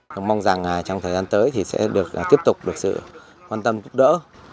chúng tôi mong rằng trong thời gian tới sẽ tiếp tục được sự quan tâm giúp đỡ